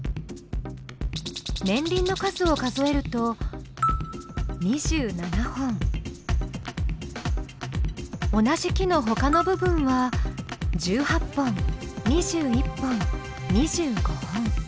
年輪の数を数えると同じ木のほかの部分は１８本２１本２５本。